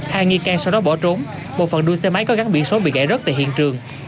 hai nghi can sau đó bỏ trốn một phần đuôi xe máy có gắn biển số bị gãy rớt tại hiện trường